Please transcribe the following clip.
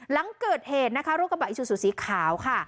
หลังเกิดเหตุนะคะรถกระบะอิซูซูสีขาวค่ะ